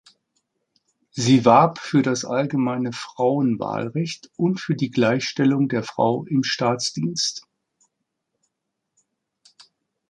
Sie warb für das allgemeine Frauenwahlrecht und für die Gleichstellung der Frau im Staatsdienst.